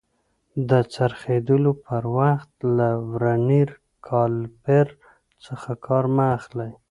د څرخېدلو پر وخت له ورنیر کالیپر څخه کار مه اخلئ.